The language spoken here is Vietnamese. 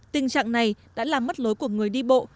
tình trạng này đã làm mất lối của người đi bộ